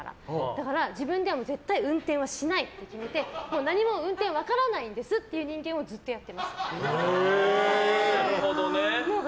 だから自分では絶対に運転はしないって決めて何も運転分からないんですという人間をずっとやってます。